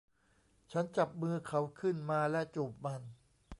ฉันจับมือเขาขึ้นมาและจูบมัน